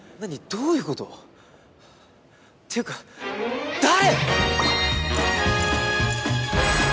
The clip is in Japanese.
どういう事？っていうか誰！？